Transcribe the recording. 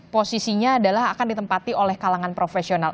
posisinya adalah akan ditempati oleh kalangan profesional